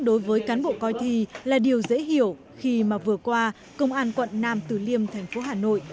đối với cán bộ coi thi là điều dễ hiểu khi mà vừa qua công an quận nam từ liêm thành phố hà nội